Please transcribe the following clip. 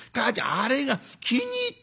あれが気に入った」。